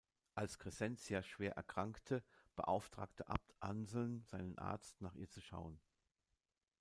Als Crescentia schwer erkrankte, beauftrage Abt Anselm seinen Arzt, nach ihr zu schauen.